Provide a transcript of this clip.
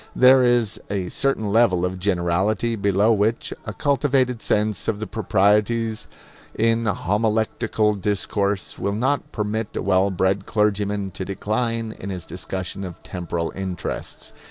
There is a certain level of generality below which a cultivated sense of the proprieties in homiletical discourse will not permit a well bred clergyman to decline in his discussion of temporal interests.